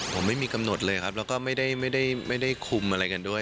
ผมไม่มีกำหนดเลยครับแล้วก็ไม่ได้คุมอะไรกันด้วย